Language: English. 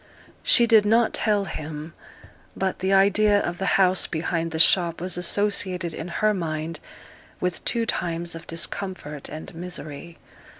She did not tell him; but the idea of the house behind the shop was associated in her mind with two times of discomfort and misery.